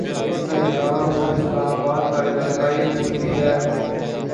اور اس کے علاوہ یہ اسلام آباد کا علاقائی پھول بھی ہے